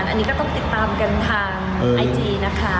อันนี้ก็ต้องติดตามกันทางไอจีนะคะ